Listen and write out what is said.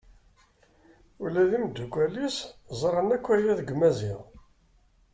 Ula d imddukal-is ẓran akk aya deg Maziɣ.